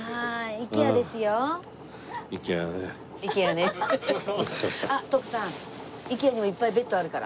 ＩＫＥＡにもいっぱいベッドあるから。